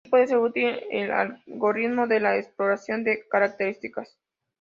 Aquí puede ser útil el algoritmo de la exploración de características.